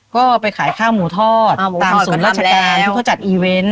ก็ไปขายข้าวหมูทอดข้าวหมูทอดก็ทำแล้วตามศูนย์ราชการทุกคนจัดอีเวนต์